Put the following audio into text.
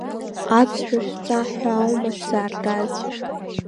Аԥсшәа шәҵа ҳәа аума шәзааргаз?